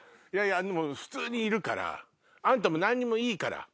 でも普通にいるからあんたも何もいいから。